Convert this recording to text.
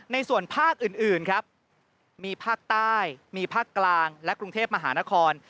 ในส่วนภาคอื่นครับมีภาคใต้มีภาคกลางและกรุงเทพมหานคร